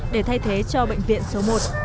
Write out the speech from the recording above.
để thay thế cho bệnh viện số một